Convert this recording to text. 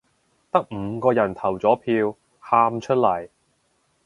得五個人投咗票，喊出嚟